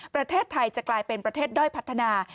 ประเทศไทยจะกลายเป็นประเทศด้อยพัฒนา